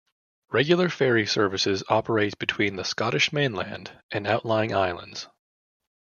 Regular ferry services operate between the Scottish mainland and outlying islands.